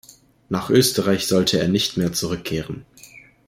Nach Österreich sollte er nicht mehr zurückkehren.